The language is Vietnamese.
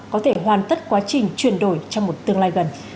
có thể hoàn tất quá trình chuyển đổi trong một tương lai gần